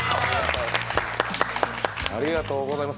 ありがとうございます。